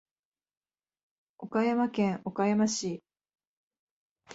岡山県岡山市